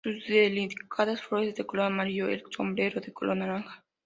Sus delicadas flores de color amarillo, el sombreado de color naranja.